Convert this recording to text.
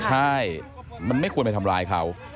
ใช่มันไม่ควรไปทำร้ายเขา